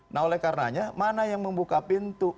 nah oleh karenanya mana yang membuka pintu